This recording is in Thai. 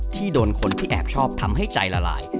ที่โดนคนที่แอบชอบทำให้ใจละลาย